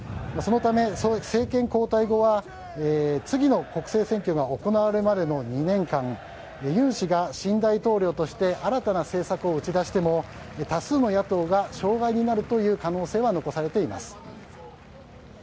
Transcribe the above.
そのため、政権交代後は次の国政選挙が行われるまでの２年間、ユン氏が新大統領として新たな政策を打ち出しても多数の野党が障害になるという可能性は残されています。